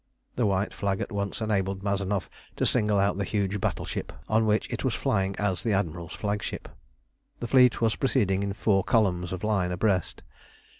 The white flag at once enabled Mazanoff to single out the huge battleship on which it was flying as the Admiral's flagship. The fleet was proceeding in four columns of line abreast.